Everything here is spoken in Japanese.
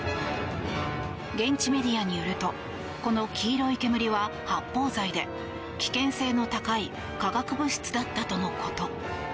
現地メディアによるとこの黄色い煙は発泡剤で危険性の高い化学物質だったとのこと。